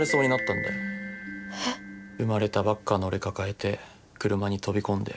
生まれたばっかの俺抱えて車に飛び込んで。